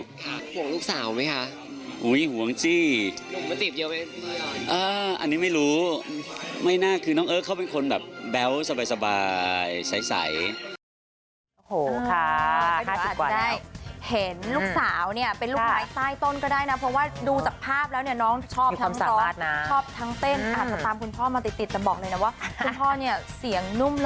ห่วงลูกสาวไหมคะอุ้ยห่วงจี๊กอันนี้ไม่รู้ไม่น่าคือน้องเอิร์คเขาเป็นคนแบบแบ๊วสบายใส